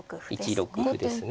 １六歩ですね。